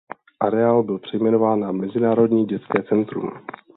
Areál byl přejmenován na Mezinárodní dětské centrum.